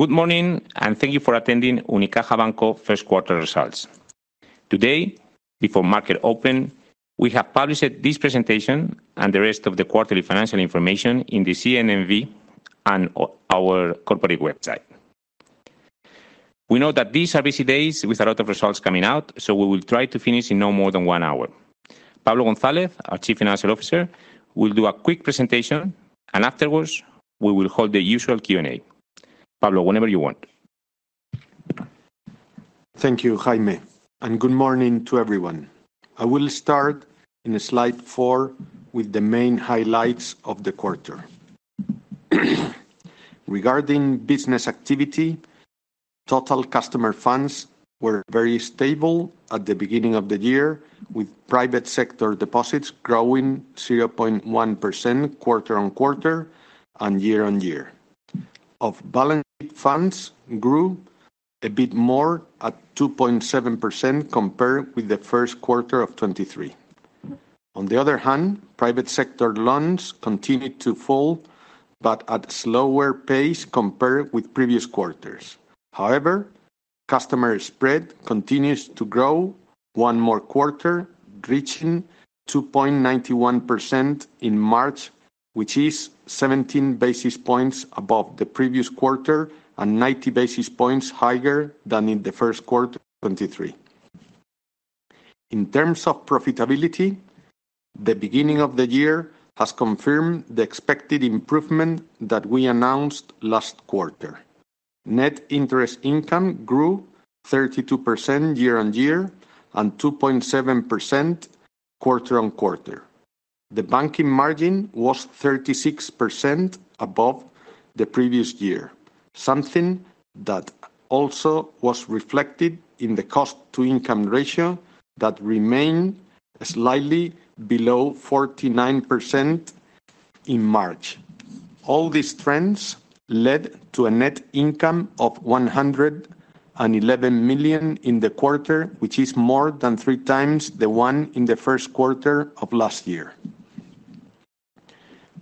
Good morning, and thank you for attending Unicaja Banco first quarter results. Today, before market open, we have published this presentation and the rest of the quarterly financial information in the CNMV and our corporate website. We know that these are busy days with a lot of results coming out, so we will try to finish in no more than one hour. Pablo González, our Chief Financial Officer, will do a quick presentation, and afterwards, we will hold the usual Q&A. Pablo, whenever you want. Thank you, Jaime, and good morning to everyone. I will start in slide four with the main highlights of the quarter. Regarding business activity, total customer funds were very stable at the beginning of the year, with private sector deposits growing 0.1% quarter-on-quarter and year-on-year. Off-balance sheet funds grew a bit more at 2.7% compared with the first quarter of 2023. On the other hand, private sector loans continued to fall, but at a slower pace compared with previous quarters. However, customer spread continues to grow one more quarter, reaching 2.91% in March, which is 17 basis points above the previous quarter and 90 basis points higher than in the first quarter of 2023. In terms of profitability, the beginning of the year has confirmed the expected improvement that we announced last quarter. Net interest income grew 32% year-on-year and 2.7% quarter-on-quarter. The banking margin was 36% above the previous year, something that also was reflected in the cost-to-income ratio that remained slightly below 49% in March. All these trends led to a net income of 111 million in the quarter, which is more than 3 times the one in the first quarter of last year.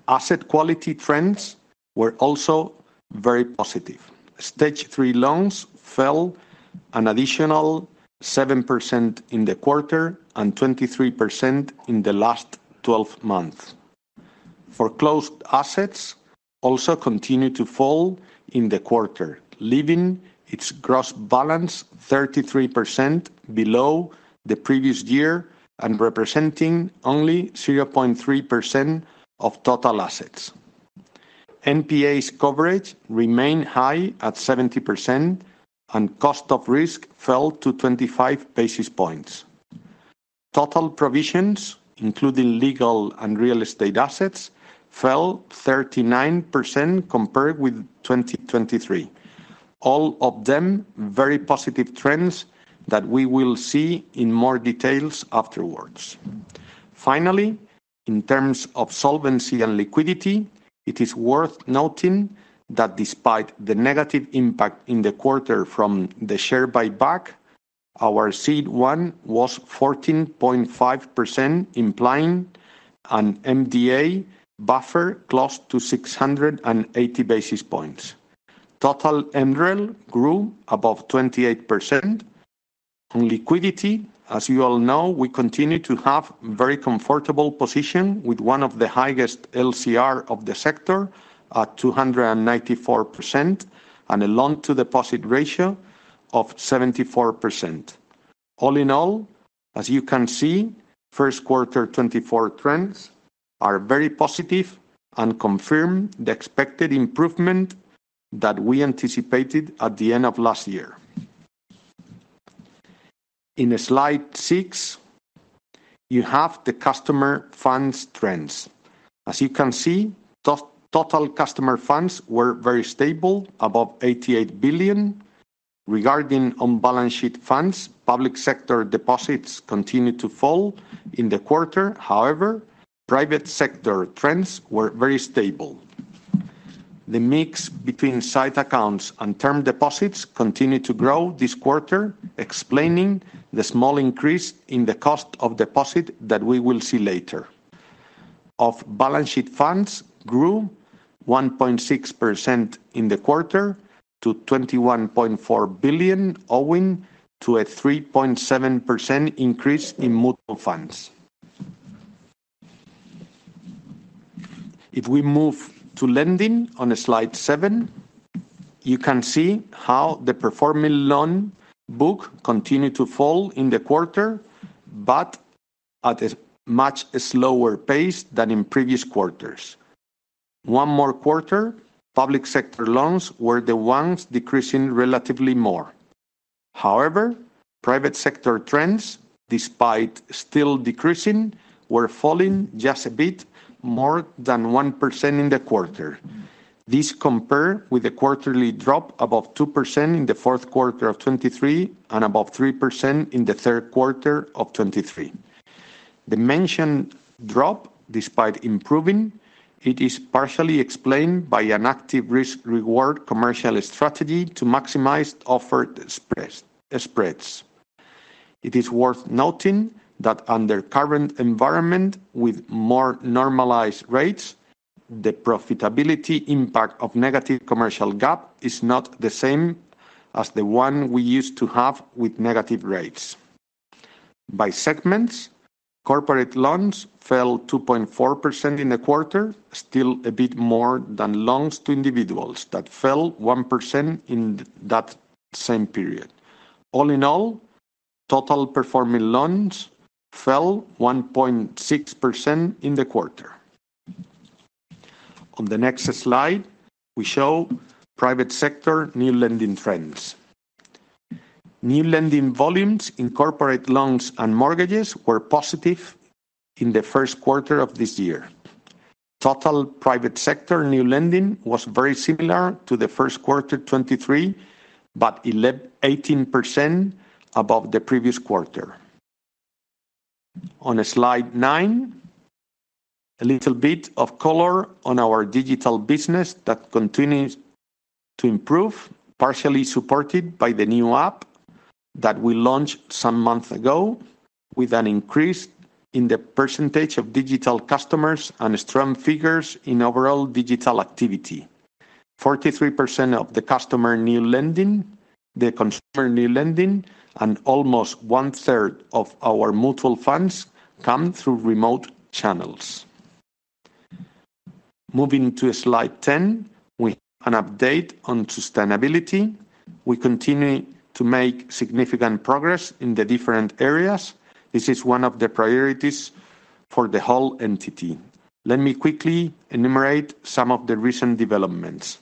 Asset quality trends were also very positive. Stage three loans fell an additional 7% in the quarter and 23% in the last twelve months. Foreclosed assets also continued to fall in the quarter, leaving its gross balance 33% below the previous year and representing only 0.3% of total assets. NPAs coverage remained high at 70%, and cost of risk fell to 25 basis points. Total provisions, including legal and real estate assets, fell 39% compared with 2023. All of them, very positive trends that we will see in more details afterwards. Finally, in terms of solvency and liquidity, it is worth noting that despite the negative impact in the quarter from the share buyback, our CET1 was 14.5%, implying an MDA buffer close to 680 basis points. Total MREL grew above 28%. On liquidity, as you all know, we continue to have very comfortable position with one of the highest LCR of the sector at 294% and a loan-to-deposit ratio of 74%. All in all, as you can see, first quarter 2024 trends are very positive and confirm the expected improvement that we anticipated at the end of last year. In slide six, you have the customer funds trends. As you can see, total customer funds were very stable, above 88 billion. Regarding on-balance sheet funds, public sector deposits continued to fall in the quarter. However, private sector trends were very stable. The mix between sight accounts and term deposits continued to grow this quarter, explaining the small increase in the cost of deposit that we will see later. Off-balance sheet funds grew 1.6% in the quarter to 21.4 billion, owing to a 3.7% increase in mutual funds. If we move to lending on slide seven, you can see how the performing loan book continued to fall in the quarter, but at a much slower pace than in previous quarters. One more quarter, public sector loans were the ones decreasing relatively more. However, private sector trends, despite still decreasing, were falling just a bit more than 1% in the quarter. This compared with a quarterly drop above 2% in the fourth quarter of 2023 and above 3% in the third quarter of 2023. The mentioned drop, despite improving, it is partially explained by an active risk-reward commercial strategy to maximize offered spreads. It is worth noting that under current environment, with more normalized rates, the profitability impact of negative commercial gap is not the same as the one we used to have with negative rates. By segments, corporate loans fell 2.4% in the quarter, still a bit more than loans to individuals, that fell 1% in that same period. All in all, total performing loans fell 1.6% in the quarter. On the next slide, we show private sector new lending trends. New lending volumes in corporate loans and mortgages were positive in the first quarter of this year. Total private sector new lending was very similar to the first quarter 2023, but 18% above the previous quarter. On slide nine, a little bit of color on our digital business that continues to improve, partially supported by the new app that we launched some months ago, with an increase in the percentage of digital customers and strong figures in overall digital activity. 43% of the customer new lending, the consumer new lending, and almost one-third of our mutual funds come through remote channels. Moving to slide 10, we have an update on sustainability. We continue to make significant progress in the different areas. This is one of the priorities for the whole entity. Let me quickly enumerate some of the recent developments.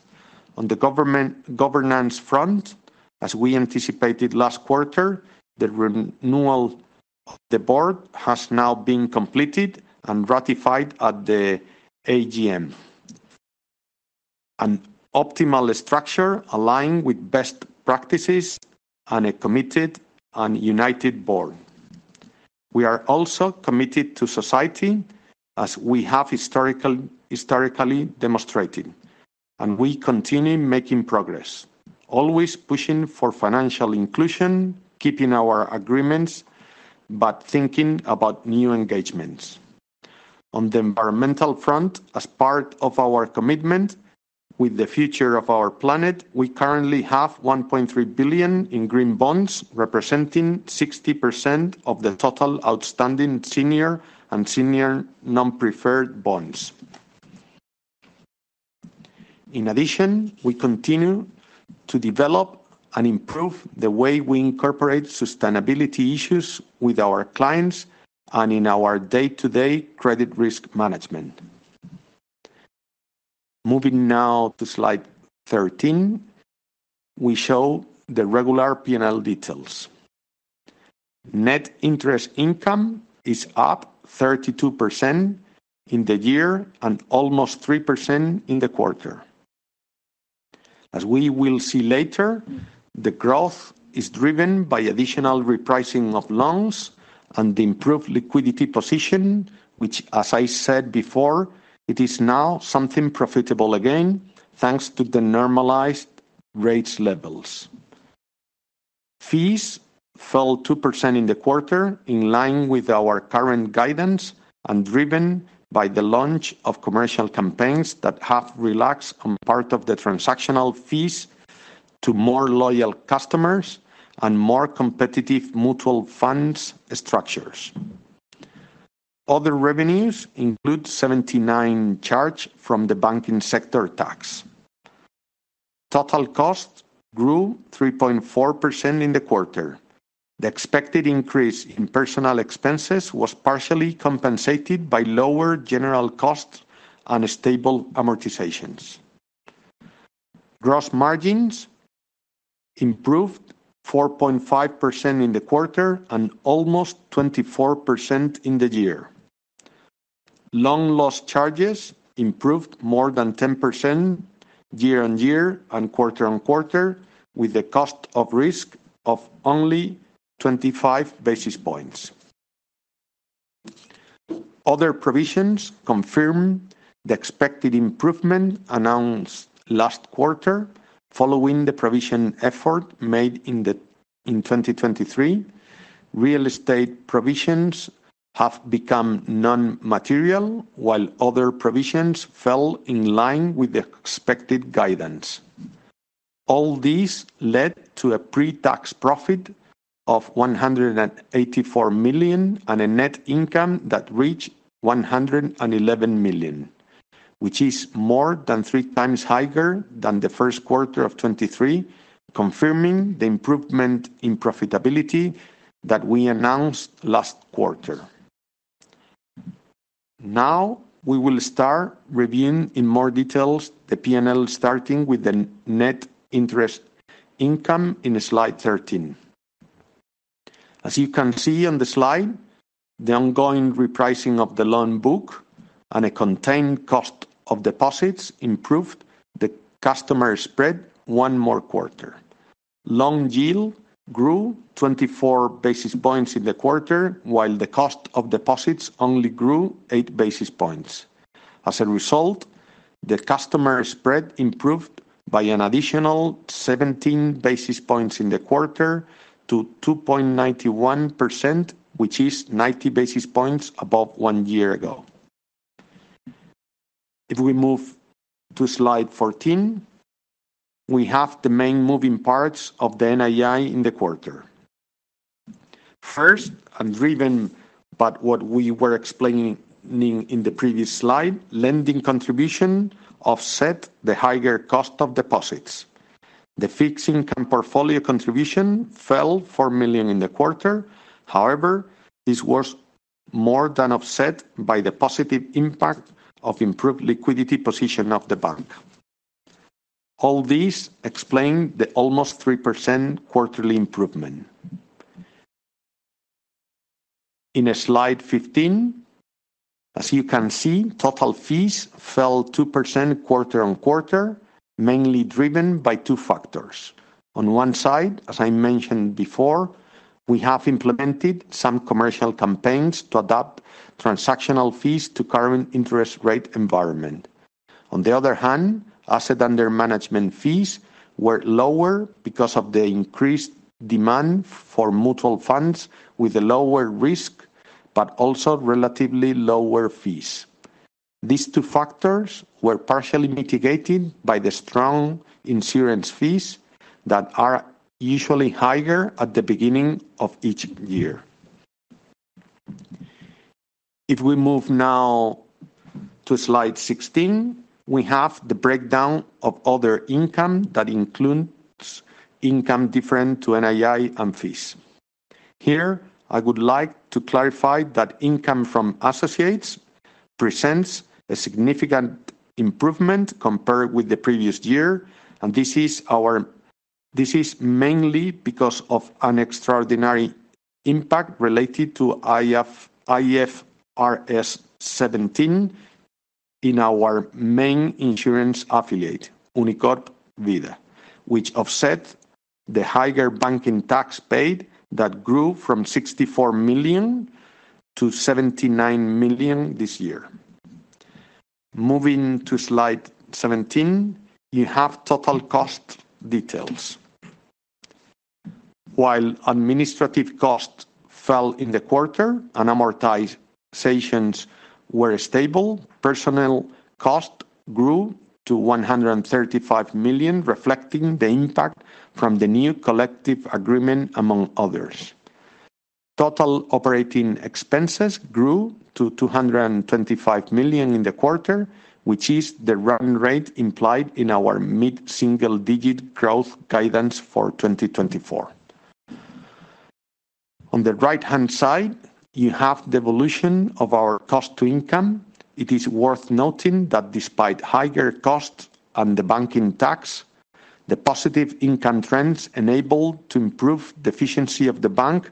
On the governance front, as we anticipated last quarter, the renewal of the board has now been completed and ratified at the AGM. An optimal structure aligned with best practices and a committed and united board. We are also committed to society, as we have historically demonstrated, and we continue making progress, always pushing for financial inclusion, keeping our agreements, but thinking about new engagements. On the environmental front, as part of our commitment with the future of our planet, we currently have 1.3 billion in green bonds, representing 60% of the total outstanding senior and senior non-preferred bonds. In addition, we continue to develop and improve the way we incorporate sustainability issues with our clients and in our day-to-day credit risk management. Moving now to slide 13, we show the regular P&L details. Net interest income is up 32% in the year, and almost 3% in the quarter. As we will see later, the growth is driven by additional repricing of loans and improved liquidity position, which, as I said before, it is now something profitable again, thanks to the normalized rates levels. Fees fell 2% in the quarter, in line with our current guidance and driven by the launch of commercial campaigns that have relaxed on part of the transactional fees to more loyal customers and more competitive mutual funds structures. Other revenues include 79 million charge from the banking sector tax. Total cost grew 3.4% in the quarter. The expected increase in personal expenses was partially compensated by lower general costs and stable amortizations. Gross margins improved 4.5% in the quarter and almost 24% in the year. Loan loss charges improved more than 10% year-on-year and quarter-on-quarter, with a cost of risk of only 25 basis points. Other provisions confirm the expected improvement announced last quarter, following the provision effort made in 2023. Real estate provisions have become non-material, while other provisions fell in line with the expected guidance. All these led to a pre-tax profit of 184 million, and a net income that reached 111 million, which is more than three times higher than the first quarter of 2023, confirming the improvement in profitability that we announced last quarter. Now, we will start reviewing in more details the P&L, starting with the net interest income in slide 13. As you can see on the slide, the ongoing repricing of the loan book and a contained cost of deposits improved the customer spread 1 more quarter. Loan yield grew 24 basis points in the quarter, while the cost of deposits only grew 8 basis points. As a result, the customer spread improved by an additional 17 basis points in the quarter to 2.91%, which is 90 basis points above one year ago. If we move to slide 14, we have the main moving parts of the NII in the quarter. First, and driven by what we were explaining in the previous slide, lending contribution offset the higher cost of deposits. The fixed income portfolio contribution fell 4 million in the quarter. However, this was more than offset by the positive impact of improved liquidity position of the bank. All these explain the almost 3% quarterly improvement. In slide 15, as you can see, total fees fell 2% quarter on quarter, mainly driven by two factors. On one side, as I mentioned before, we have implemented some commercial campaigns to adapt transactional fees to current interest rate environment. On the other hand, asset under management fees were lower because of the increased demand for mutual funds with a lower risk, but also relatively lower fees. These two factors were partially mitigated by the strong insurance fees that are usually higher at the beginning of each year. If we move now to slide 16, we have the breakdown of other income that includes income different to NII and fees. Here, I would like to clarify that income from associates presents a significant improvement compared with the previous year, and this is mainly because of an extraordinary impact related to IFRS 17 in our main insurance affiliate, Unicorp Vida, which offset the higher banking tax paid that grew from 64 million to 79 million this year. Moving to slide 17, you have total cost details. While administrative costs fell in the quarter and amortizations were stable, personnel cost grew to 135 million, reflecting the impact from the new collective agreement, among others. Total operating expenses grew to 225 million in the quarter, which is the running rate implied in our mid-single-digit growth guidance for 2024. On the right-hand side, you have the evolution of our cost to income. It is worth noting that despite higher costs and the banking tax, the positive income trends enabled to improve the efficiency of the bank,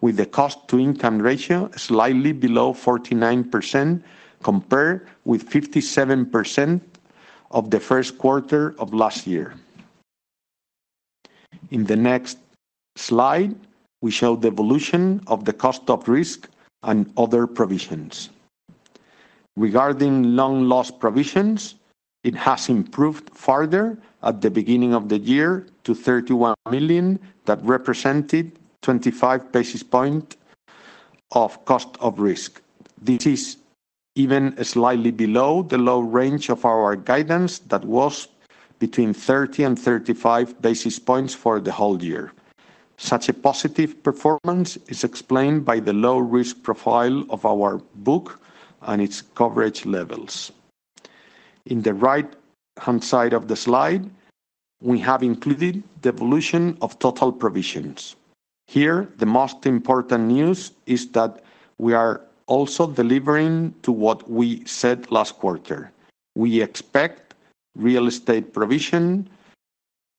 with the cost-to-income ratio slightly below 49%, compared with 57% of the first quarter of last year. In the next slide, we show the evolution of the cost of risk and other provisions. Regarding loan loss provisions, it has improved further at the beginning of the year to 31 million. That represented 25 basis points of cost of risk. This is even slightly below the low range of our guidance. That was between 30 and 35 basis points for the whole year. Such a positive performance is explained by the low-risk profile of our book and its coverage levels. In the right-hand side of the slide, we have included the evolution of total provisions. Here, the most important news is that we are also delivering to what we said last quarter. We expect real estate provision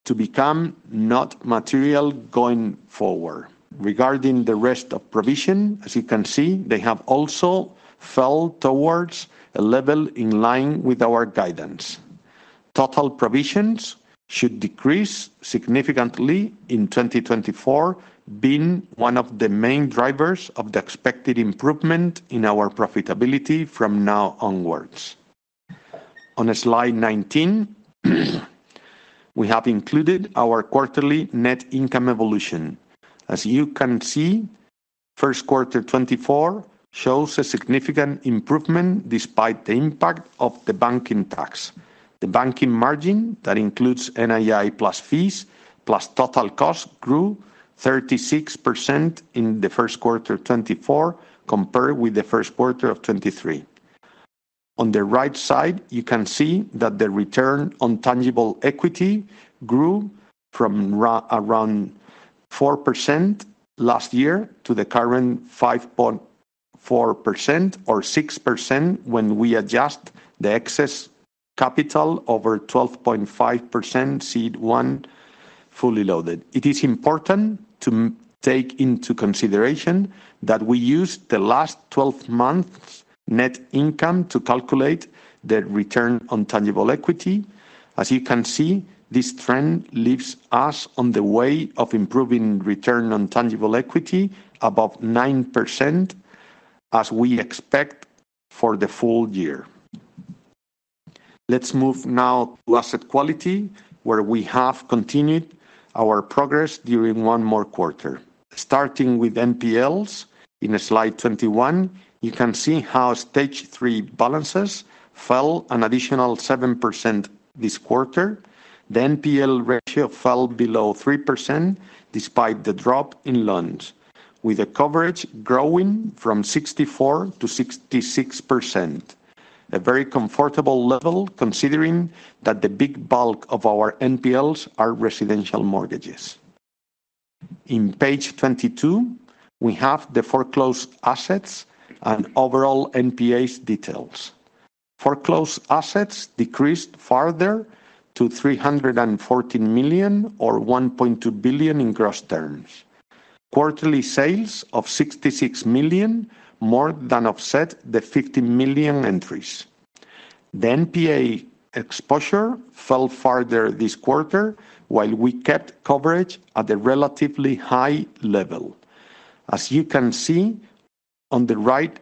to become not material going forward. Regarding the rest of provision, as you can see, they have also fell towards a level in line with our guidance. Total provisions should decrease significantly in 2024, being one of the main drivers of the expected improvement in our profitability from now onwards. On slide 19, we have included our quarterly net income evolution. As you can see, first quarter 2024 shows a significant improvement despite the impact of the banking tax. The banking margin that includes NII plus fees, plus total cost, grew 36% in the first quarter of 2024 compared with the first quarter of 2023. On the right side, you can see that the return on tangible equity grew from around 4% last year to the current 5.4% or 6% when we adjust the excess capital over 12.5% CET1, fully loaded. It is important to take into consideration that we used the last twelve months net income to calculate the return on tangible equity. As you can see, this trend leaves us on the way of improving return on tangible equity above 9%, as we expect for the full year. Let's move now to asset quality, where we have continued our progress during one more quarter. Starting with NPLs, in slide 21, you can see how stage three balances fell an additional 7% this quarter. The NPL ratio fell below 3% despite the drop in loans, with the coverage growing from 64% to 66%. A very comfortable level, considering that the big bulk of our NPLs are residential mortgages. In page 22, we have the foreclosed assets and overall NPAs details. Foreclosed assets decreased farther to 314 million, or 1.2 billion in gross terms. Quarterly sales of 66 million more than offset the 50 million entries. The NPA exposure fell farther this quarter, while we kept coverage at a relatively high level. As you can see on the right,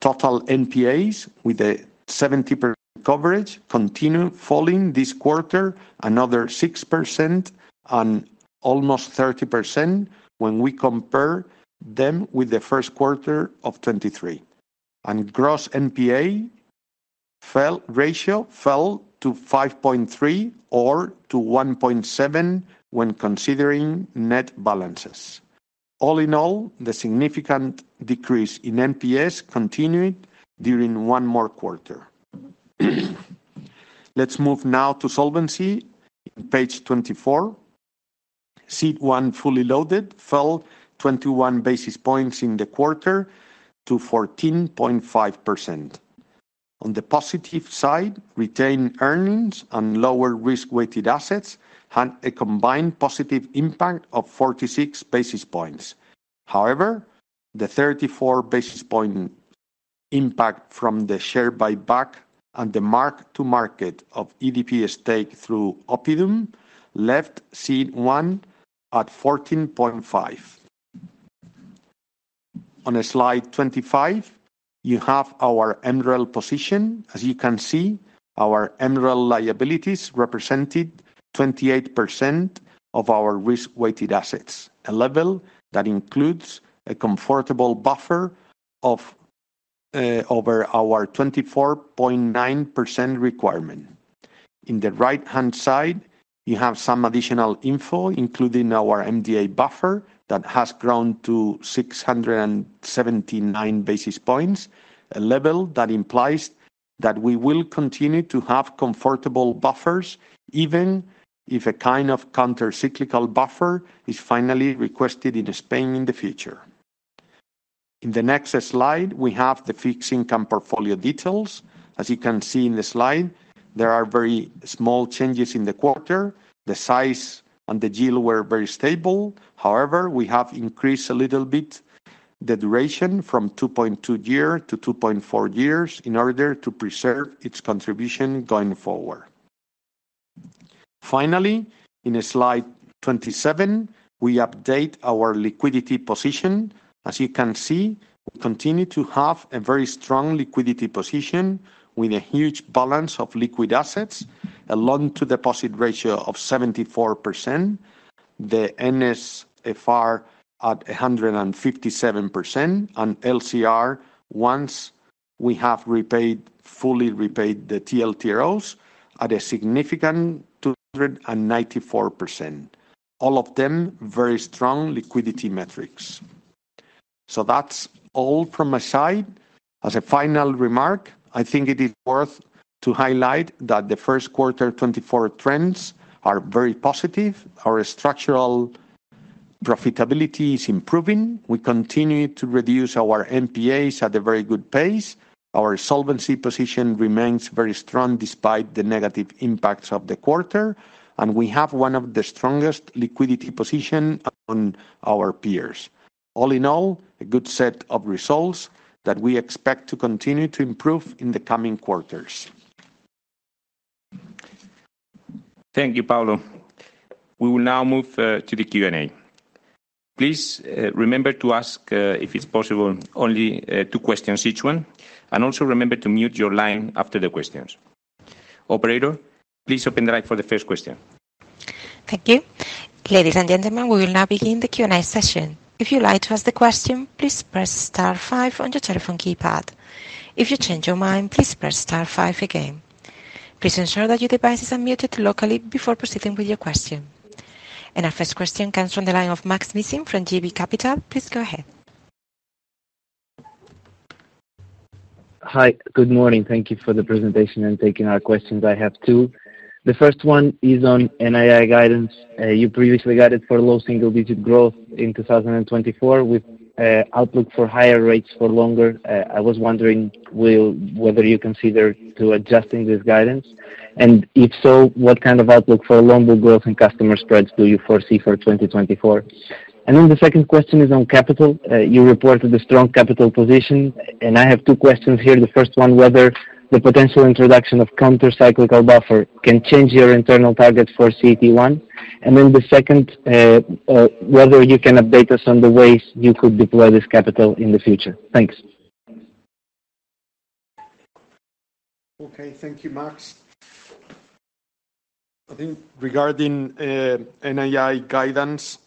total NPAs, with a 70% coverage, continue falling this quarter, another 6%, and almost 30% when we compare them with the first quarter of 2023. Gross NPA ratio fell to 5.3 or to 1.7 when considering net balances. All in all, the significant decrease in NPAs continued during one more quarter. Let's move now to solvency. Page 24. CET1 fully loaded fell 21 basis points in the quarter to 14.5%. On the positive side, retained earnings and lower risk-weighted assets had a combined positive impact of 46 basis points. However, the 34 basis point impact from the share buyback and the mark-to-market of EDP stake through Oppidum left CET1 at 14.5. On slide 25, you have our MREL position. As you can see, our MREL liabilities represented 28% of our risk-weighted assets, a level that includes a comfortable buffer of over our 24.9% requirement. In the right-hand side, you have some additional info, including our MDA buffer, that has grown to 679 basis points, a level that implies that we will continue to have comfortable buffers, even if a kind of countercyclical buffer is finally requested in Spain in the future. In the next slide, we have the fixed-income portfolio details. As you can see in the slide, there are very small changes in the quarter. The size and the yield were very stable. However, we have increased a little bit the duration from 2.2 year to 2.4 years in order to preserve its contribution going forward. Finally, in slide 27, we update our liquidity position. As you can see, we continue to have a very strong liquidity position, with a huge balance of liquid assets, a loan-to-deposit ratio of 74%, the NSFR at 157%, and LCR, once we have repaid, fully repaid the TLTROs at a significant 294%. All of them, very strong liquidity metrics. So that's all from my side. As a final remark, I think it is worth to highlight that the first quarter 2024 trends are very positive. Our structural profitability is improving. We continue to reduce our NPAs at a very good pace. Our solvency position remains very strong despite the negative impacts of the quarter, and we have one of the strongest liquidity position among our peers. All in all, a good set of results that we expect to continue to improve in the coming quarters. Thank you, Pablo. We will now move to the Q&A. Please remember to ask, if it's possible, only two questions, each one, and also remember to mute your line after the questions. Operator, please open the line for the first question. Thank you. Ladies and gentlemen, we will now begin the Q&A session. If you'd like to ask the question, please press star five on your telephone keypad. If you change your mind, please press star five again. Please ensure that your device is unmuted locally before proceeding with your question. Our first question comes from the line of Maksym Mishyn from JB Capital Markets. Please go ahead. Hi. Good morning. Thank you for the presentation and taking our questions. I have two. The first one is on NII guidance. You previously guided for low single-digit growth in 2024 with outlook for higher rates for longer. I was wondering whether you consider to adjusting this guidance, and if so, what kind of outlook for loan book growth and customer spreads do you foresee for 2024? And then the second question is on capital. You reported a strong capital position, and I have two questions here. The first one, whether the potential introduction of countercyclical buffer can change your internal targets for CET1? And then the second, whether you can update us on the ways you could deploy this capital in the future? Thanks. Okay, thank you, Maks. I think regarding NII guidance,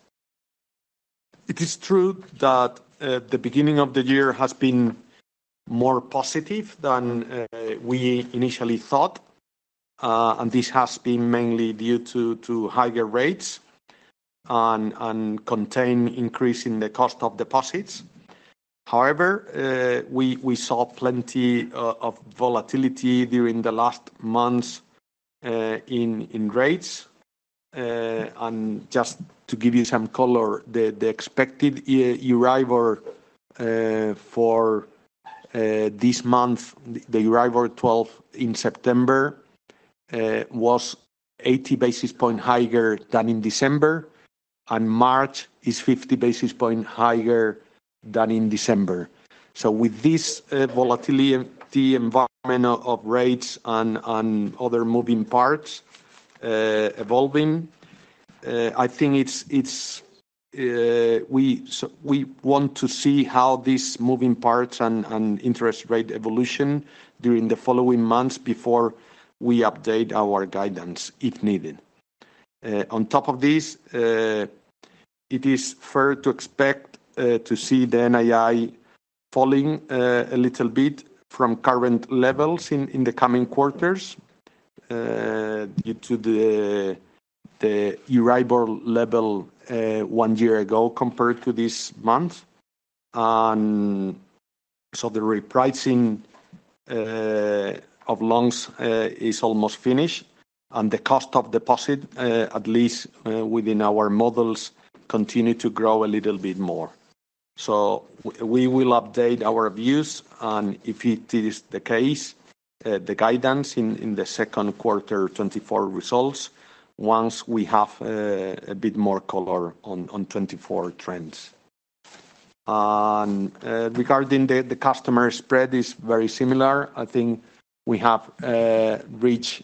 it is true that the beginning of the year has been more positive than we initially thought. And this has been mainly due to higher rates and contained increase in the cost of deposits. However, we saw plenty of volatility during the last months in rates. And just to give you some color, the expected Euribor for this month, the Euribor twelve in September, was 80 basis points higher than in December, and March is 50 basis points higher than in December. So with this volatility environment of rates and other moving parts evolving, I think it's we want to see how these moving parts and interest rate evolution during the following months before we update our guidance, if needed. On top of this, it is fair to expect to see the NII falling a little bit from current levels in the coming quarters due to the Euribor level one year ago compared to this month. And so the repricing of loans is almost finished, and the cost of deposit, at least within our models, continue to grow a little bit more. So we will update our views, and if it is the case, the guidance in the second quarter 2024 results, once we have a bit more color on 2024 trends. And, regarding the customer spread is very similar. I think we have reached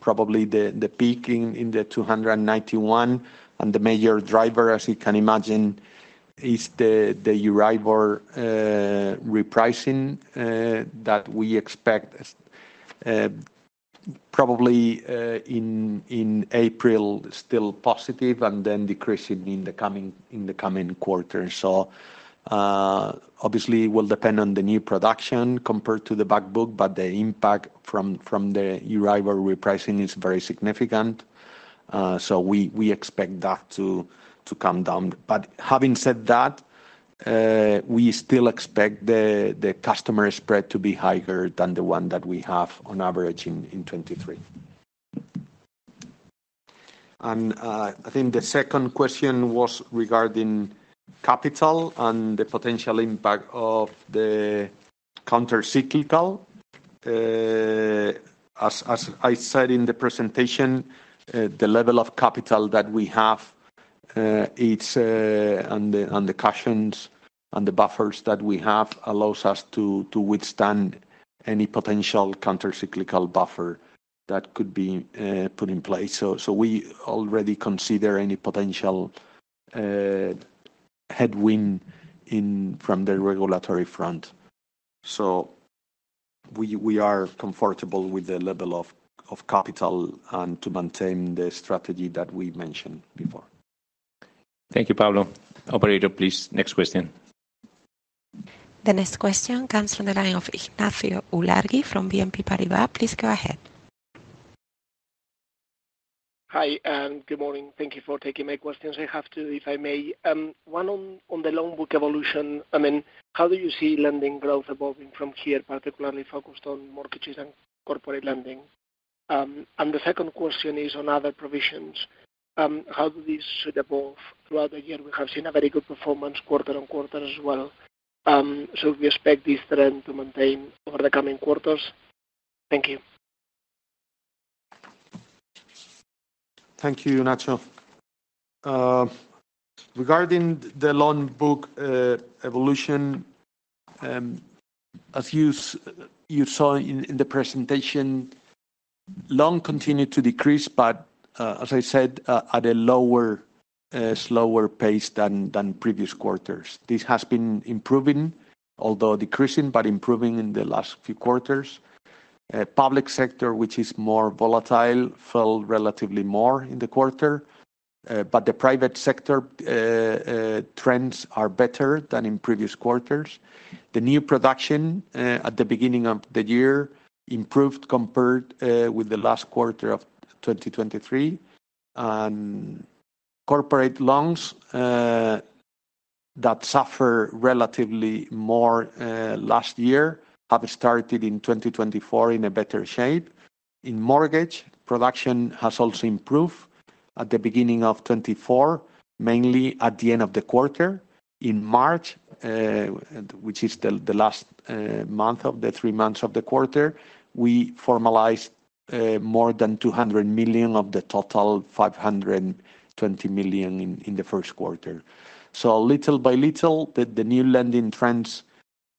probably the peak in 291, and the major driver, as you can imagine, is the Euribor repricing that we expect probably in April, still positive, and then decreasing in the coming quarters. So, obviously, it will depend on the new production compared to the back book, but the impact from the Euribor repricing is very significant. So we expect that to come down. But having said that, we still expect the customer spread to be higher than the one that we have on average in 2023. And I think the second question was regarding capital and the potential impact of the countercyclical. As I said in the presentation, the level of capital that we have, it's and the cushions and the buffers that we have allows us to withstand any potential countercyclical buffer that could be put in place. So we already consider any potential headwind in from the regulatory front. So we are comfortable with the level of capital and to maintain the strategy that we mentioned before. Thank you, Pablo. Operator, please, next question. The next question comes from the line of Ignacio Ulargui from BNP Paribas. Please go ahead. Hi, and good morning. Thank you for taking my questions. I have two, if I may, one on, on the loan book evolution, I mean, how do you see lending growth evolving from here, particularly focused on mortgages and corporate lending? And the second question is on other provisions. How do these should evolve throughout the year? We have seen a very good performance quarter-over-quarter as well. So we expect this trend to maintain over the coming quarters. Thank you. Thank you, Ignacio. Regarding the loan book evolution, as you saw in the presentation, loans continued to decrease, but as I said, at a lower slower pace than previous quarters. This has been improving, although decreasing, but improving in the last few quarters. Public sector, which is more volatile, fell relatively more in the quarter, but the private sector trends are better than in previous quarters. The new production at the beginning of the year improved compared with the last quarter of 2023. And corporate loans that suffer relatively more last year have started in 2024 in a better shape. In mortgage production has also improved at the beginning of 2024, mainly at the end of the quarter. In March, which is the last month of the three months of the quarter, we formalized more than 200 million of the total 520 million in the first quarter. So little by little, the new lending trends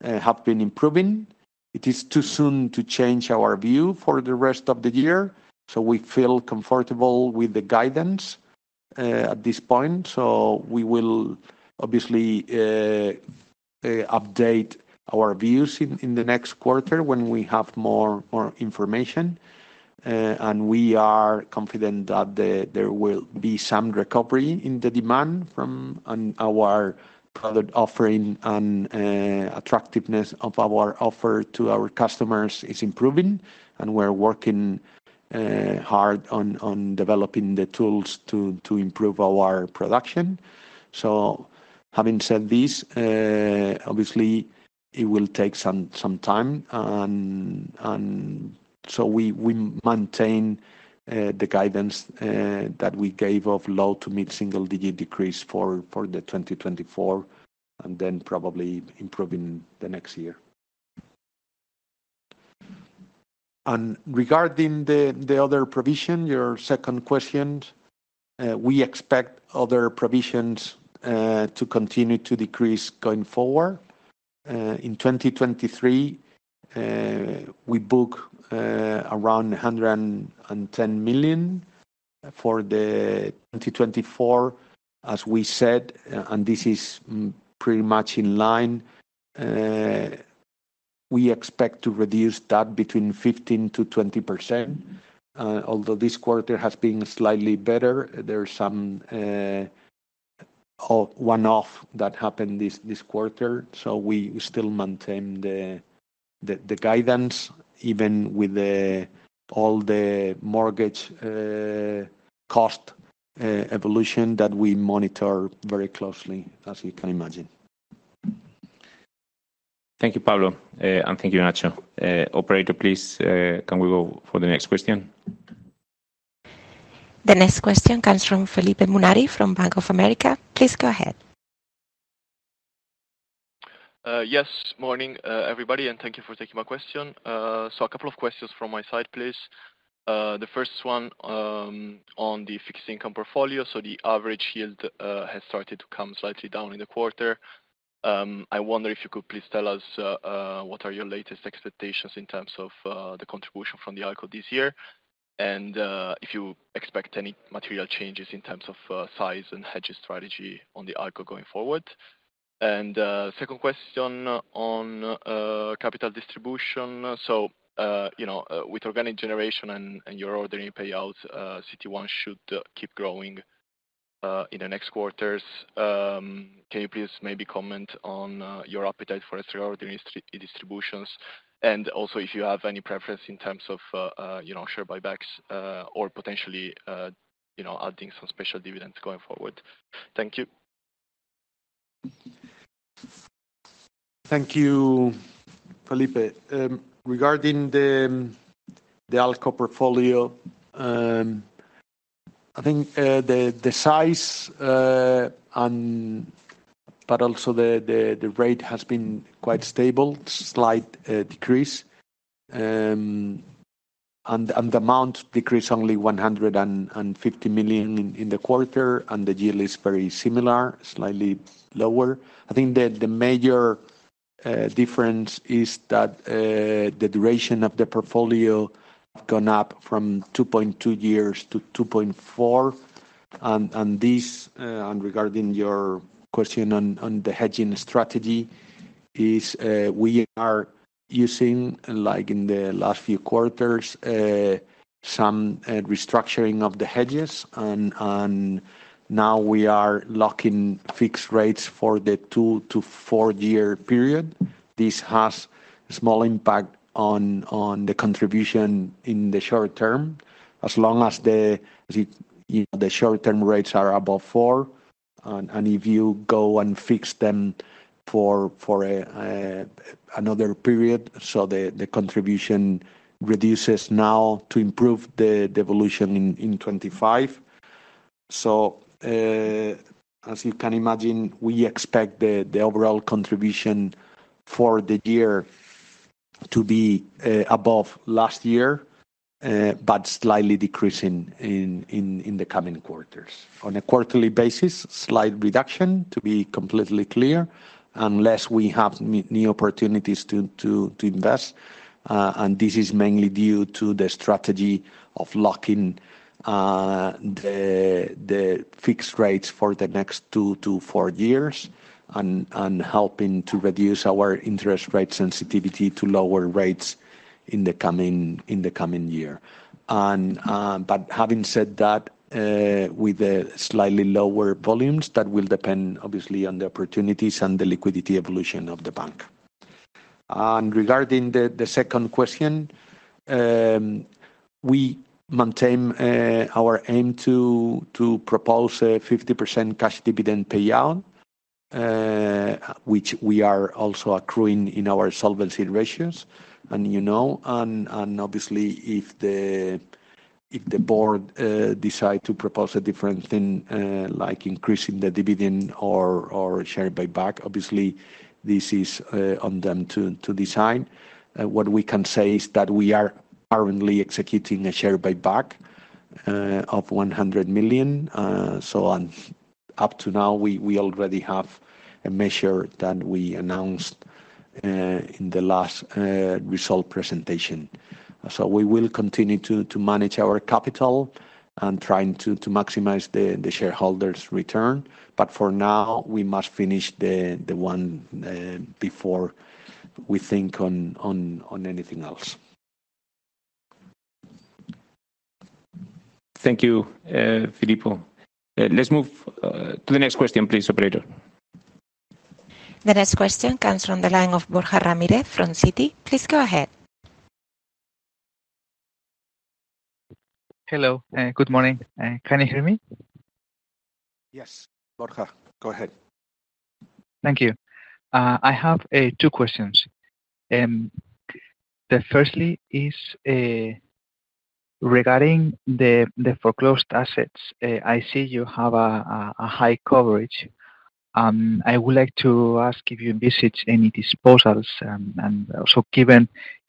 have been improving. It is too soon to change our view for the rest of the year, so we feel comfortable with the guidance at this point. So we will obviously update our views in the next quarter when we have more information. And we are confident that there will be some recovery in the demand from on our product offering, and attractiveness of our offer to our customers is improving, and we're working hard on developing the tools to improve our production. So having said this, obviously it will take some time. And so we maintain the guidance that we gave of low to mid-single digit decrease for 2024, and then probably improving the next year. And regarding the other provision, your second question, we expect other provisions to continue to decrease going forward. In 2023, we book around 110 million. For 2024, as we said, and this is pretty much in line, we expect to reduce that between 15%-20%. Although this quarter has been slightly better, there are some one-off that happened this quarter, so we still maintain the guidance, even with all the mortgage cost evolution that we monitor very closely, as you can imagine. Thank you, Pablo, and thank you, Nacho. Operator, please, can we go for the next question? The next question comes from Felipe Munari from Bank of America. Please go ahead. Yes, morning, everybody, and thank you for taking my question. So a couple of questions from my side, please. The first one, on the fixed income portfolio. So the average yield has started to come slightly down in the quarter. I wonder if you could please tell us what are your latest expectations in terms of the contribution from the ALCO this year, and if you expect any material changes in terms of size and hedging strategy on the ALCO going forward? And second question on capital distribution. So you know, with organic generation and your ordinary payouts, CET1 should keep growing in the next quarters. Can you please maybe comment on your appetite for extraordinary distributions? Also, if you have any preference in terms of, you know, share buybacks, or potentially, you know, adding some special dividends going forward. Thank you. Thank you, Felipe. Regarding the ALCO portfolio, I think the size but also the rate has been quite stable, slight decrease. And the amount decreased only 150 million in the quarter, and the yield is very similar, slightly lower. I think the major difference is that the duration of the portfolio have gone up from 2.2 years to 2.4. And this and regarding your question on the hedging strategy, is we are using, like in the last few quarters, some restructuring of the hedges. And now we are locking fixed rates for the two to four year period. This has a small impact on the contribution in the short term, as long as the short-term rates are above 4, and if you go and fix them for a another period, so the contribution reduces now to improve the evolution in 2025. So, as you can imagine, we expect the overall contribution for the year to be above last year, but slightly decreasing in the coming quarters. On a quarterly basis, slight reduction, to be completely clear, unless we have new opportunities to invest. And this is mainly due to the strategy of locking the fixed rates for the next two to four years and helping to reduce our interest rate sensitivity to lower rates in the coming year. But having said that, with the slightly lower volumes, that will depend obviously on the opportunities and the liquidity evolution of the bank. And regarding the second question, we maintain our aim to propose a 50% cash dividend payout, which we are also accruing in our solvency ratios, and, you know, and obviously, if the board decide to propose a different thing, like increasing the dividend or share buyback, obviously this is on them to decide. What we can say is that we are currently executing a share buyback of 100 million, so up to now, we already have a measure that we announced in the last result presentation. So we will continue to manage our capital and trying to maximize the shareholders' return, but for now, we must finish the one before we think on anything else. Thank you, Felippo. Let's move to the next question, please, operator. The next question comes from the line of Borja Ramirez from Citi. Please go ahead. Hello, good morning. Can you hear me? Yes, Borja, go ahead. Thank you. I have two questions. Firstly, regarding the foreclosed assets. I see you have a high coverage. I would like to ask if you envisage any disposals, and also, given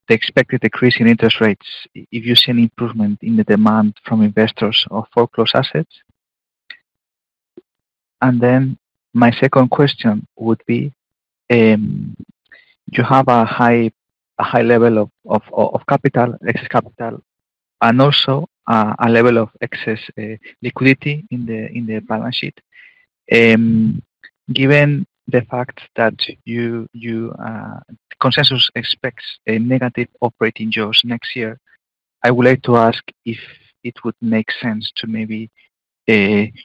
the expected decrease in interest rates, if you see any improvement in the demand from investors of foreclosed assets? And then my second question would be, you have a high level of capital, excess capital, and also a level of excess liquidity in the balance sheet. Given the fact that consensus expects a negative operating jaws next year, I would like to ask if it would make sense to maybe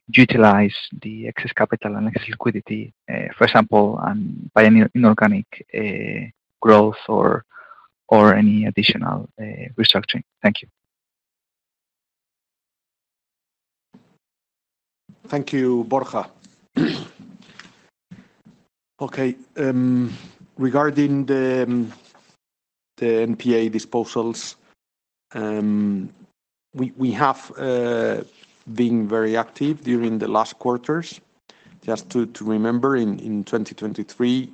utilize the excess capital and excess liquidity, for example, by an inorganic growth or any additional restructuring. Thank you. Thank you, Borja. Okay, regarding the NPA disposals, we have been very active during the last quarters. Just to remember, in 2023,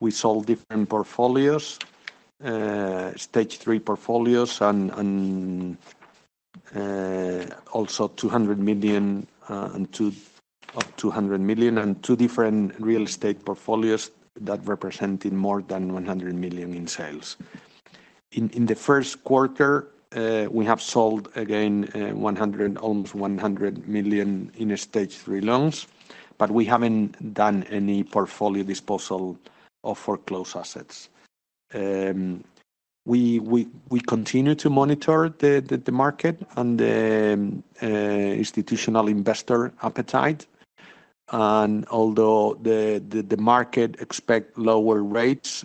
we sold different portfolios, stage three portfolios, and also 200 million and two of 200 million and two different real estate portfolios that represented more than 100 million in sales. In the first quarter, we have sold again almost 100 million in stage three loans, but we haven't done any portfolio disposal of foreclosed assets. We continue to monitor the market and the institutional investor appetite. And although the market expect lower rates,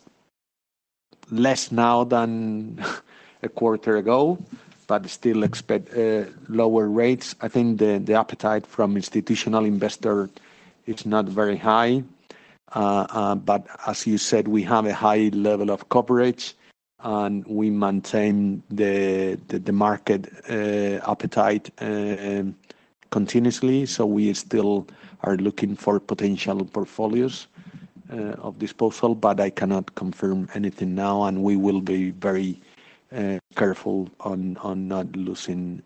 less now than a quarter ago, but still expect lower rates, I think the appetite from institutional investor is not very high. But as you said, we have a high level of coverage, and we maintain the market appetite continuously. So we still are looking for potential portfolios of disposal, but I cannot confirm anything now, and we will be very careful on not losing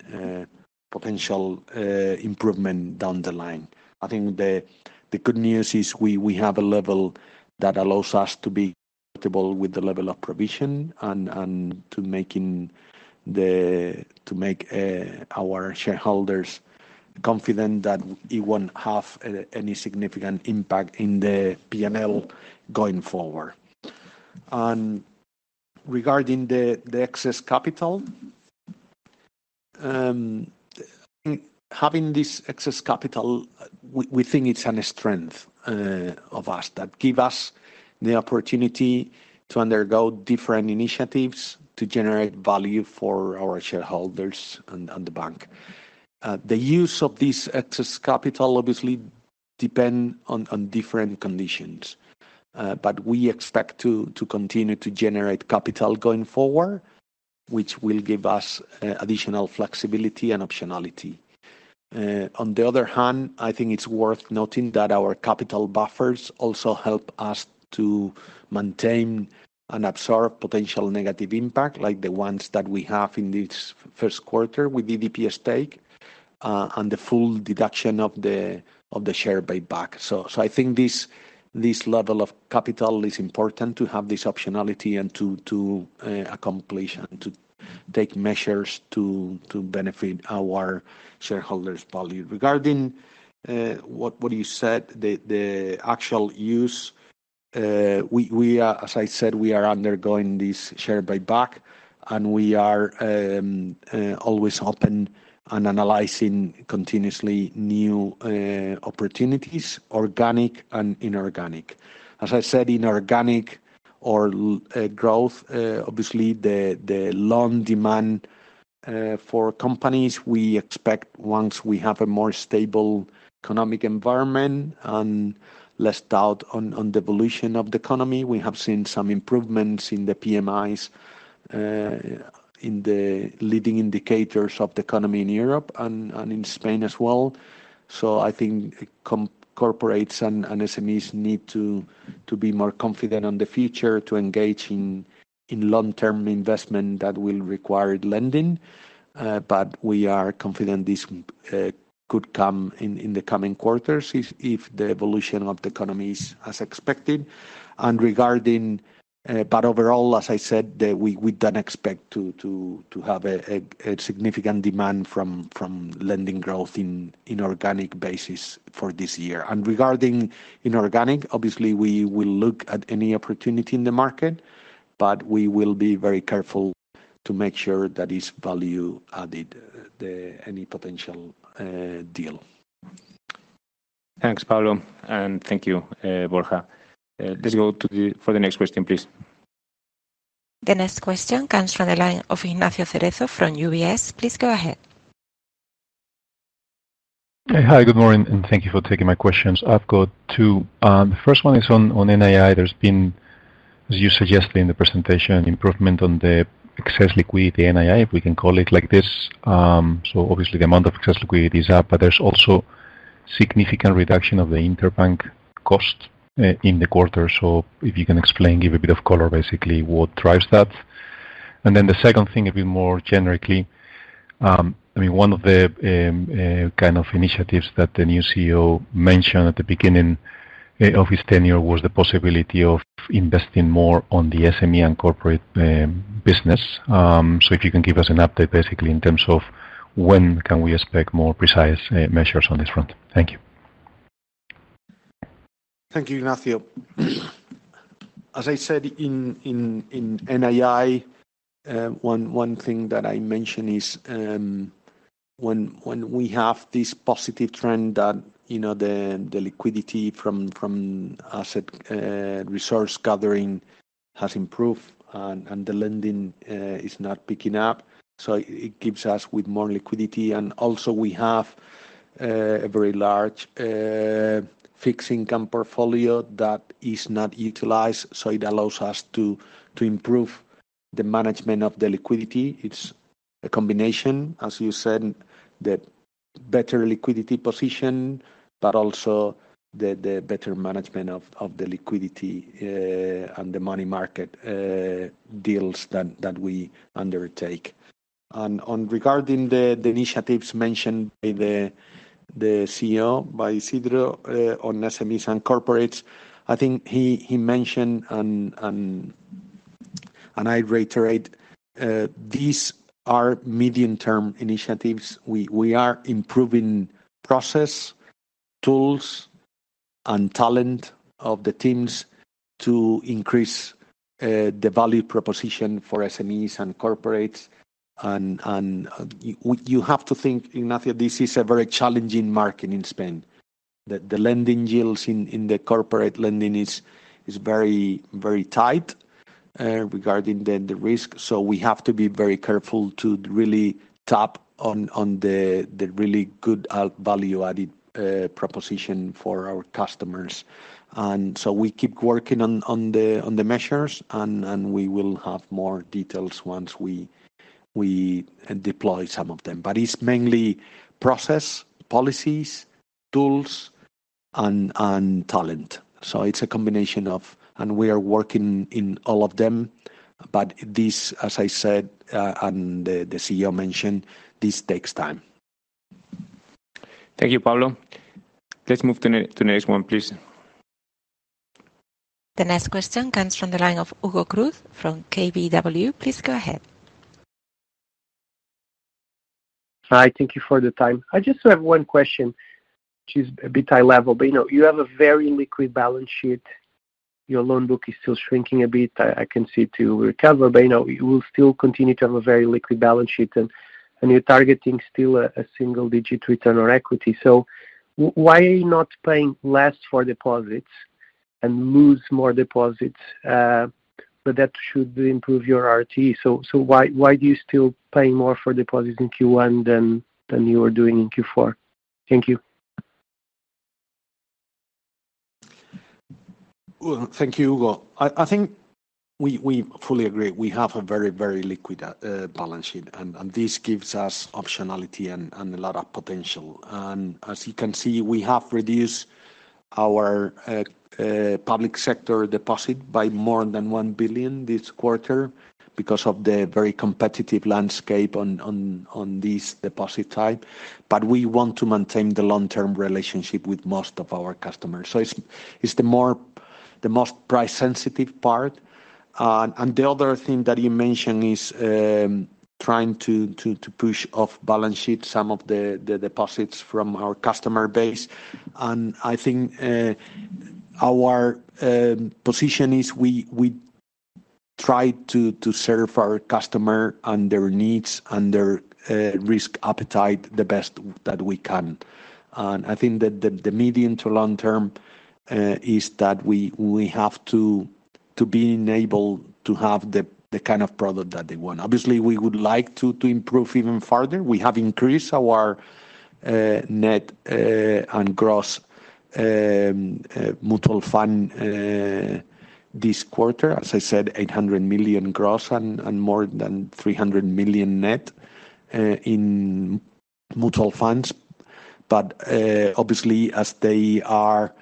potential improvement down the line. I think the good news is we have a level that allows us to be comfortable with the level of provision and to make our shareholders confident that it won't have any significant impact in the PNL going forward. And regarding the excess capital, having this excess capital, we think it's a strength of us, that give us the opportunity to undergo different initiatives to generate value for our shareholders and the bank. The use of this excess capital obviously depend on, on different conditions, but we expect to, to continue to generate capital going forward, which will give us, additional flexibility and optionality. On the other hand, I think it's worth noting that our capital buffers also help us to maintain and absorb potential negative impact, like the ones that we have in this first quarter with the EDP stake, and the full deduction of the, of the share buyback. So, so I think this, this level of capital is important to have this optionality and to, to, accomplish and to take measures to, to benefit our shareholders' value. Regarding what you said, the actual use, we are, as I said, we are undergoing this share buyback, and we are always open and analyzing continuously new opportunities, organic and inorganic. As I said, inorganic or growth, obviously, the loan demand for companies, we expect once we have a more stable economic environment and less doubt on the evolution of the economy, we have seen some improvements in the PMIs in the leading indicators of the economy in Europe and in Spain as well. So I think corporates and SMEs need to be more confident on the future, to engage in long-term investment that will require lending. But we are confident this could come in the coming quarters if the evolution of the economy is as expected. But overall, as I said, that we don't expect to have a significant demand from lending growth in organic basis for this year. And regarding inorganic, obviously, we will look at any opportunity in the market, but we will be very careful to make sure that it's value-added, any potential deal. Thanks, Pablo, and thank you, Borja. Let's go to the for the next question, please. The next question comes from the line of Ignacio Cerezo from UBS. Please go ahead. Hi, good morning, and thank you for taking my questions. I've got two. The first one is on NII. There's been, as you suggested in the presentation, improvement on the excess liquidity, NII, if we can call it like this. So obviously the amount of excess liquidity is up, but there's also significant reduction of the interbank cost in the quarter. So if you can explain, give a bit of color, basically, what drives that. And then the second thing, a bit more generically, I mean, one of the kind of initiatives that the new CEO mentioned at the beginning of his tenure was the possibility of investing more on the SME and corporate business. So if you can give us an update, basically, in terms of when can we expect more precise measures on this front? Thank you. Thank you, Ignacio. As I said, in NII, one thing that I mentioned is, when we have this positive trend that, you know, the liquidity from asset resource gathering has improved and the lending is not picking up, so it gives us with more liquidity. And also we have a very large fixed income portfolio that is not utilized, so it allows us to improve the management of the liquidity. It's a combination, as you said, the better liquidity position, but also the better management of the liquidity and the money market deals that we undertake. And regarding the initiatives mentioned by the CEO, by Isidro, on SMEs and corporates, I think he mentioned, and I reiterate, these are medium-term initiatives. We are improving process, tools, and talent of the teams to increase the value proposition for SMEs and corporates. And you have to think, Ignacio, this is a very challenging market in Spain, that the lending yields in the corporate lending is very tight regarding the risk. So we have to be very careful to really tap on the really good all-value-added proposition for our customers. And so we keep working on the measures, and we will have more details once we deploy some of them. But it's mainly process, policies, tools, and talent. So it's a combination of... And we are working in all of them, but this, as I said, and the CEO mentioned, this takes time. Thank you, Pablo. Let's move to the, to the next one, please. The next question comes from the line of Hugo Cruz from KBW. Please go ahead. Hi, thank you for the time. I just have one question, which is a bit high level, but, you know, you have a very liquid balance sheet. Your loan book is still shrinking a bit. I can see it to recover, but, you know, you will still continue to have a very liquid balance sheet, and you're targeting still a single-digit return on equity. So why are you not paying less for deposits and lose more deposits? But that should improve your ROTE. So why do you still paying more for deposits in Q1 than you were doing in Q4? Thank you. Well, thank you, Hugo. I think we fully agree. We have a very, very liquid balance sheet, and this gives us optionality and a lot of potential. And as you can see, we have reduced our public sector deposit by more than 1 billion this quarter because of the very competitive landscape on this deposit type, but we want to maintain the long-term relationship with most of our customers. So it's the most price-sensitive part. And the other thing that you mentioned is trying to push off balance sheet some of the deposits from our customer base. And I think our position is we try to serve our customer and their needs and their risk appetite the best that we can. I think that the medium to long term is that we have to be enabled to have the kind of product that they want. Obviously, we would like to improve even further. We have increased our net and gross mutual fund this quarter, as I said, 800 million gross and more than 300 million net in mutual funds. But obviously, as they are,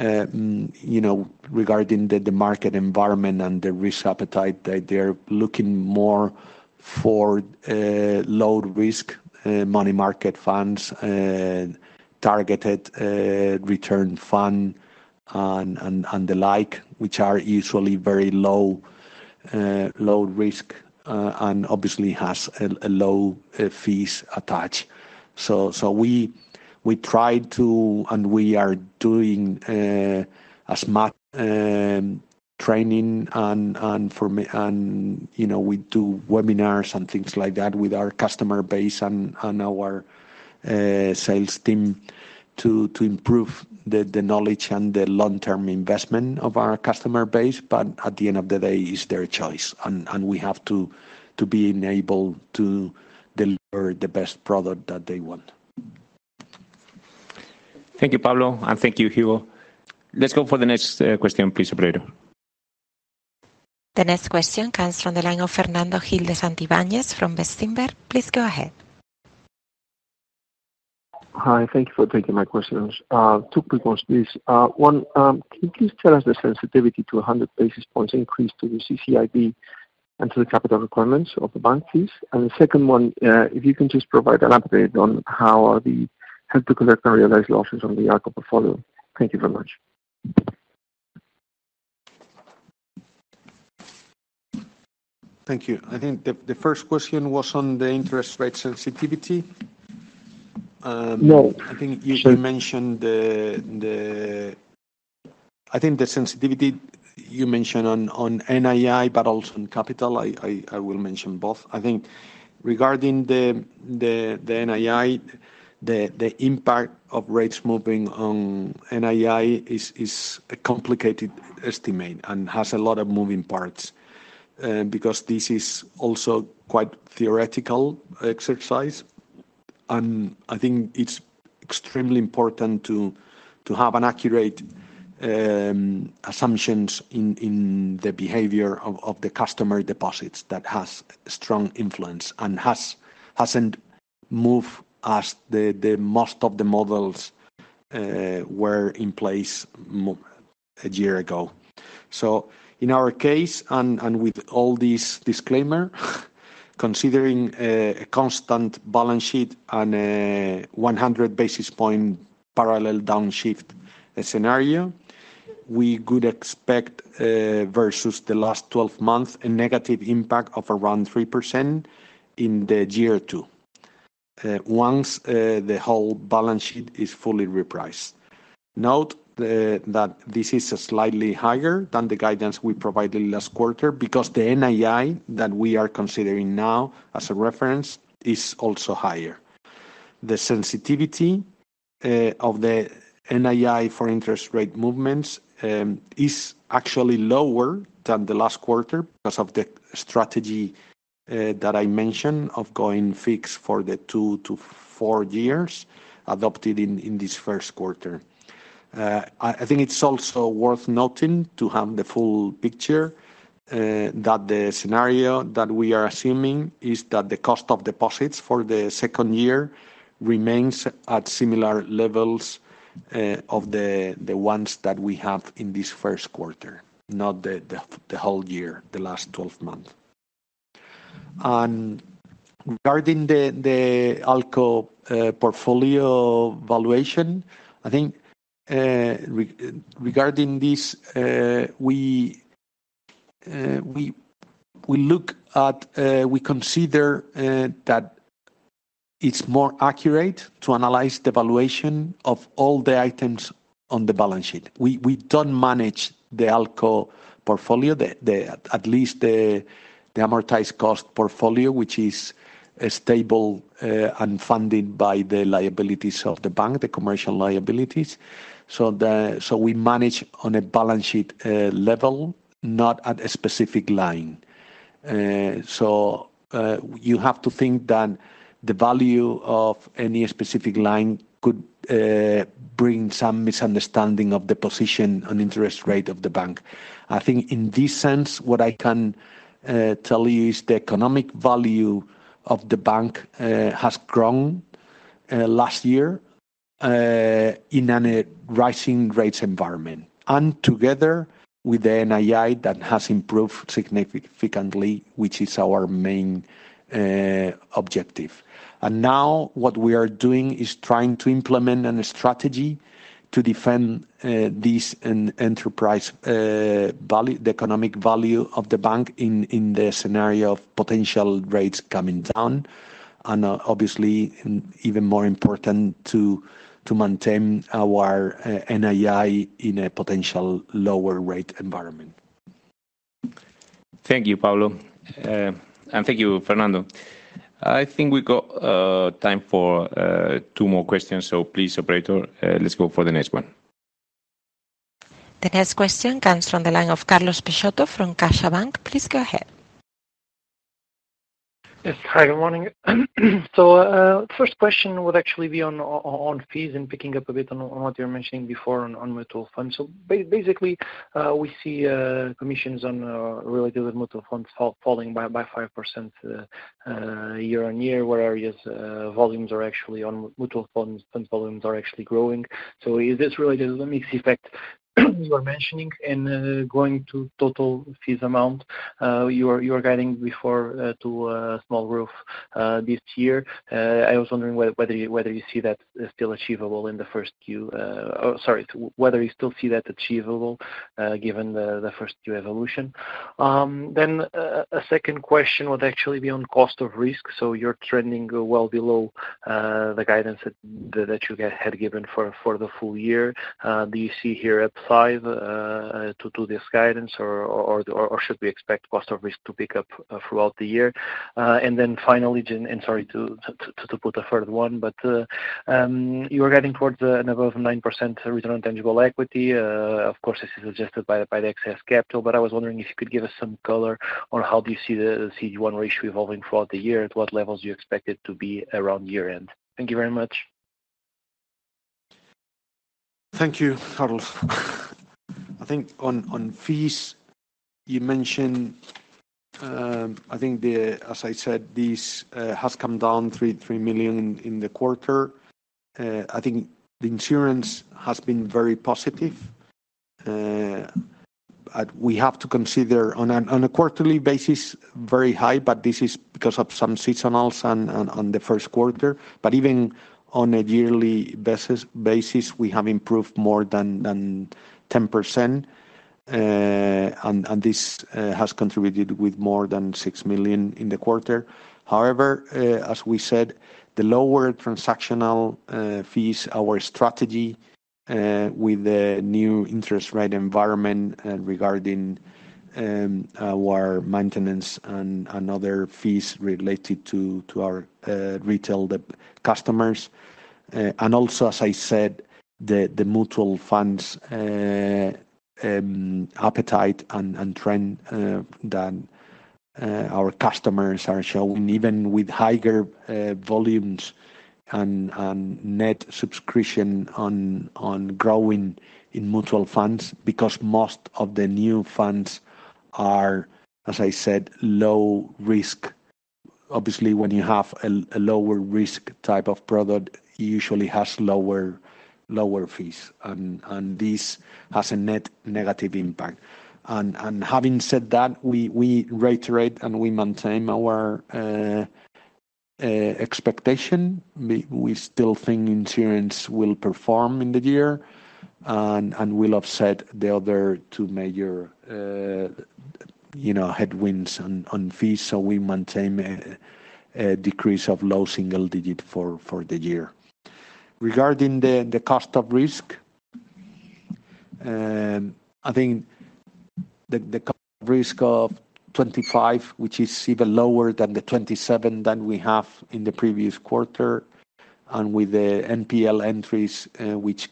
you know, regarding the market environment and the risk appetite, they're looking more for low risk money market funds and targeted return fund and the like, which are usually very low risk and obviously has a low fees attached. So we try to, and we are doing as much training and, you know, we do webinars and things like that with our customer base and our sales team to improve the knowledge and the long-term investment of our customer base. But at the end of the day, it's their choice, and we have to be enabled to deliver the best product that they want. Thank you, Pablo, and thank you, Hugo. Let's go for the next question, please, operator. The next question comes from the line of Fernando Gil de Santivañes from Bestinver. Please go ahead. Hi, thank you for taking my questions. Two quick ones, please. One, can you please tell us the sensitivity to a 100 basis points increase to the CCIB and to the capital requirements of the banks, please? And the second one, if you can just provide an update on how are the held to collect and realize losses on the ALCO portfolio. Thank you very much. Thank you. I think the first question was on the interest rate sensitivity. No. I think you mentioned the sensitivity you mentioned on NII, but also on capital. I will mention both. I think regarding the NII, the impact of rates moving on NII is a complicated estimate and has a lot of moving parts, because this is also quite theoretical exercise. And I think it's extremely important to have an accurate assumptions in the behavior of the customer deposits that has strong influence and hasn't moved as the most of the models were in place a year ago. So in our case, and with all this disclaimer, considering a constant balance sheet and a 100 basis point parallel downshift scenario, we could expect versus the last 12 months, a negative impact of around 3% in year two, once the whole balance sheet is fully repriced. Note that this is slightly higher than the guidance we provided last quarter, because the NII that we are considering now as a reference is also higher. The sensitivity of the NII for interest rate movements is actually lower than the last quarter because of the strategy that I mentioned of going fixed for the two to four years, adopted in this first quarter. I think it's also worth noting, to have the full picture, that the scenario that we are assuming is that the cost of deposits for the second year remains at similar levels of the ones that we have in this first quarter, not the whole year, the last twelve months. And regarding the ALCO portfolio valuation, I think, regarding this, we consider that it's more accurate to analyze the valuation of all the items on the balance sheet. We don't manage the ALCO portfolio, at least the amortized cost portfolio, which is a stable and funded by the liabilities of the bank, the commercial liabilities. So we manage on a balance sheet level, not at a specific line. So, you have to think that the value of any specific line could bring some misunderstanding of the position and interest rate of the bank. I think in this sense, what I can tell you is the economic value of the bank has grown last year in a rising rates environment, and together with the NII, that has improved significantly, which is our main objective. And now what we are doing is trying to implement a strategy to defend this, an enterprise value, the economic value of the bank in the scenario of potential rates coming down, and obviously, even more important, to maintain our NII in a potential lower rate environment. Thank you, Pablo, and thank you, Fernando. I think we got time for two more questions, so please, operator, let's go for the next one. The next question comes from the line of Carlos Peixoto from CaixaBank. Please go ahead. Yes. Hi, good morning. So first question would actually be on fees and picking up a bit on what you were mentioning before on mutual funds. So basically, we see commissions related with mutual funds falling by 5% year-on-year, whereas volumes on mutual funds are actually growing. So is this related to the mix effect you were mentioning? And going to total fees amount, you were guiding before to a small growth this year. I was wondering whether you still see that achievable, given the first Q evolution. A second question would actually be on cost of risk. So you're trending well below the guidance that you had given for the full year. Do you see here upside to this guidance, or should we expect cost of risk to pick up throughout the year? And then finally, sorry to put a third one, but you are getting towards above 9% return on tangible equity. Of course, this is adjusted by the excess capital, but I was wondering if you could give us some color on how do you see the CET1 ratio evolving throughout the year, at what levels do you expect it to be around year-end? Thank you very much. Thank you, Carlos. I think on fees, you mentioned. I think the... As I said, this has come down 3 million in the quarter. I think the insurance has been very positive, but we have to consider on a quarterly basis very high, but this is because of some seasonals in the first quarter. But even on a yearly basis, we have improved more than 10%, and this has contributed with more than 6 million in the quarter. However, as we said, the lower transactional fees, our strategy with the new interest rate environment, regarding our maintenance and other fees related to our retail deposit customers. And also, as I said, the mutual funds' appetite and trend that our customers are showing, even with higher volumes and net subscription ongoing in mutual funds, because most of the new funds are, as I said, low risk. Obviously, when you have a lower risk type of product, usually has lower fees, and this has a net negative impact. And having said that, we reiterate and we maintain our expectation. We still think insurance will perform in the year and will offset the other two major, you know, headwinds on fees. So we maintain a decrease of low single digit for the year. Regarding the cost of risk, I think the risk of 25, which is even lower than the 27 that we have in the previous quarter, and with the NPL entries, which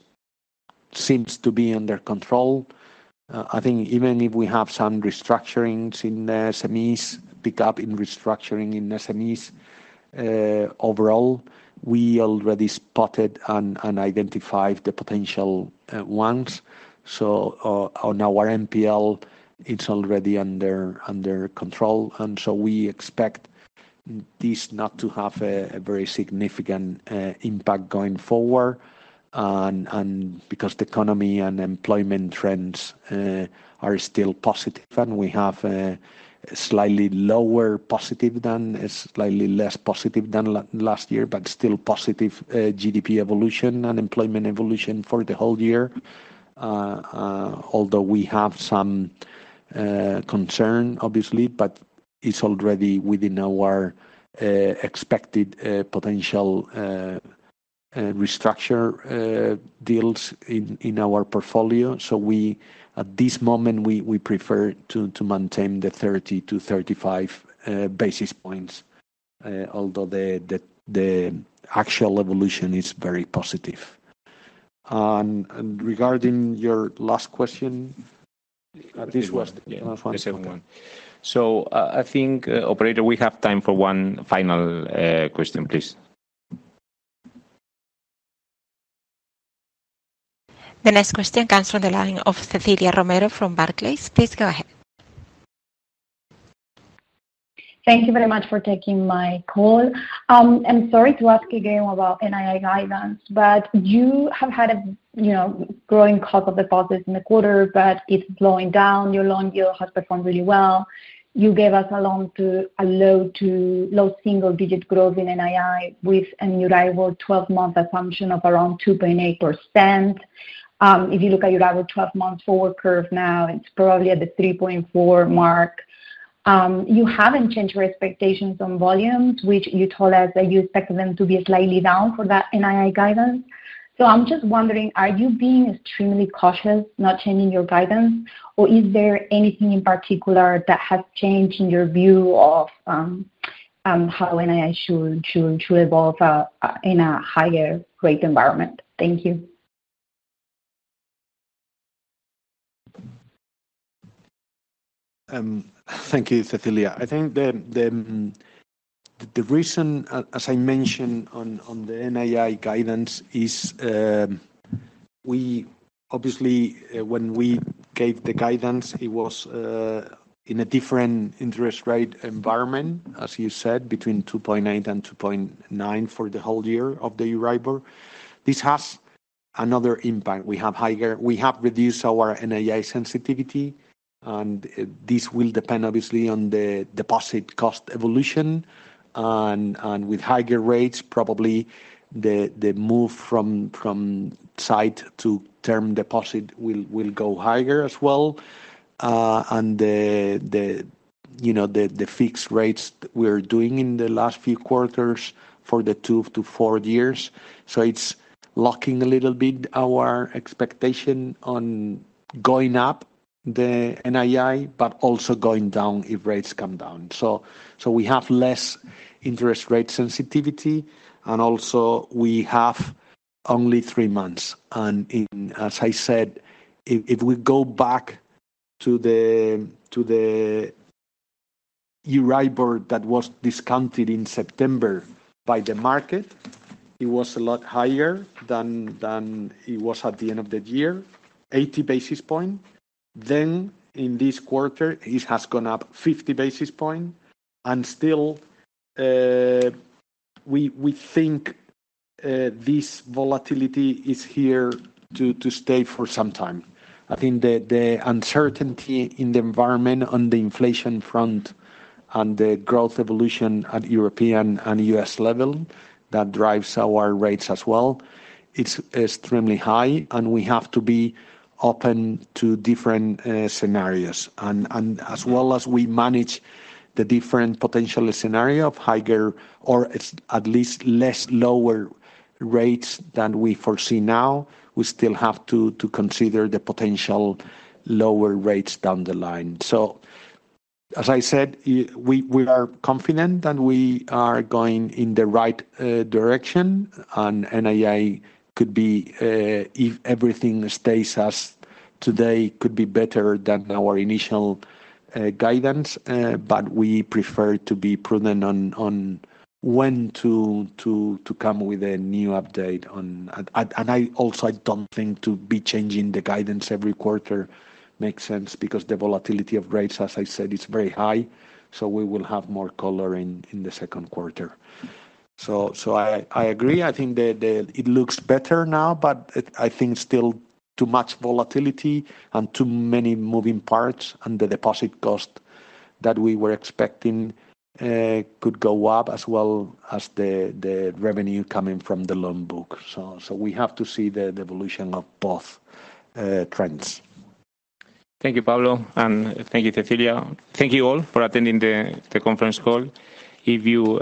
seems to be under control, I think even if we have some restructurings in the SMEs, pick up in restructuring in SMEs, overall, we already spotted and identified the potential ones. So, on our NPL, it's already under control, and so we expect this not to have a very significant impact going forward. And because the economy and employment trends are still positive, and we have a slightly lower positive than a slightly less positive than last year, but still positive, GDP evolution and employment evolution for the whole year. Although we have some concern, obviously, but it's already within our expected potential restructure deals in our portfolio. So we, at this moment, prefer to maintain the 30-35 basis points, although the actual evolution is very positive. And regarding your last question, this was. The second one. So, I think, operator, we have time for one final question, please. The next question comes from the line of Cecilia Romero from Barclays. Please go ahead. Thank you very much for taking my call. I'm sorry to ask again about NII guidance, but you have had a, you know, growing cost of deposits in the quarter, but it's slowing down. Your loan yield has performed really well. You gave us a low- to low-single-digit growth in NII, with a new 12-month assumption of around 2.8%. If you look at your 12-month forward curve now, it's probably at the 3.4 mark. You haven't changed your expectations on volumes, which you told us that you expect them to be slightly down for that NII guidance. So I'm just wondering, are you being extremely cautious, not changing your guidance, or is there anything in particular that has changed in your view of how NII should evolve in a higher rate environment? Thank you. Thank you, Cecilia. I think the reason, as I mentioned on the NII guidance is, we obviously, when we gave the guidance, it was, in a different interest rate environment, as you said, between 2.8 and 2.9 for the whole year of the Euribor. This has another impact. We have higher-- We have reduced our NII sensitivity, and, this will depend obviously on the deposit cost evolution. And with higher rates, probably the move from sight to term deposit will go higher as well. And the, you know, the fixed rates we're doing in the last few quarters for the two to four years, so it's locking a little bit our expectation on going up the NII, but also going down if rates come down. So we have less interest rate sensitivity, and also we have only three months. And in as I said, if we go back to the Euribor that was discounted in September by the market, it was a lot higher than it was at the end of the year, 80 basis points. Then in this quarter, it has gone up 50 basis points, and still, we think this volatility is here to stay for some time. I think the uncertainty in the environment on the inflation front and the growth evolution at European and U.S. level, that drives our rates as well, it's extremely high, and we have to be open to different scenarios. As well as we manage the different potential scenario of higher or at least less lower rates than we foresee now, we still have to consider the potential lower rates down the line. So as I said, we are confident, and we are going in the right direction, and NII could be, if everything stays as today, better than our initial guidance. But we prefer to be prudent on when to come with a new update on. And I also don't think to be changing the guidance every quarter makes sense because the volatility of rates, as I said, is very high, so we will have more color in the second quarter. So I agree. I think it looks better now, but I think still too much volatility and too many moving parts, and the deposit cost that we were expecting could go up as well as the revenue coming from the loan book. So we have to see the evolution of both trends. Thank you, Pablo, and thank you, Cecilia. Thank you all for attending the conference call. If you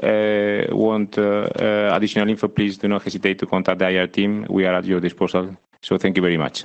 want additional info, please do not hesitate to contact the IR team. We are at your disposal. Thank you very much.